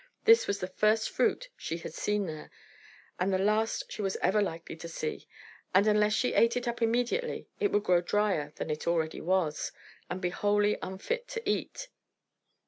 This was the first fruit she had seen there, and the last she was ever likely to see; and unless she ate it up immediately, it would grow drier than it already was, and be wholly unfit to eat.